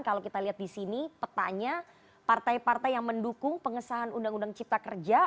kalau kita lihat di sini petanya partai partai yang mendukung pengesahan undang undang cipta kerja